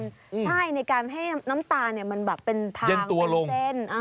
ใช่ในการให้น้ำตาลมันแบบเป็นทางเป็นเส้น